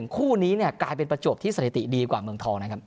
คู่นี้เนี่ยกลายเป็นประจวบที่สถิติดีกว่าเมืองทองนะครับ